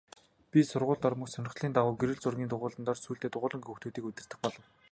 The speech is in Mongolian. Би сургуульд ормогц сонирхлын дагуу гэрэл зургийн дугуйланд орж сүүлдээ дугуйлангийн хүүхдүүдийг удирдах болов.